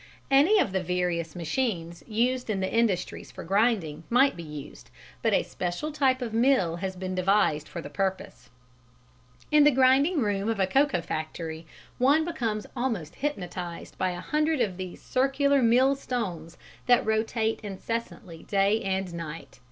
Any of the various machines used in the industries for grinding might be used, but a special type of mill has been devised for the purpose. In the grinding room of a cocoa factory one becomes almost hypnotised by a hundred of these circular mill stones that rotate incessantly day and night.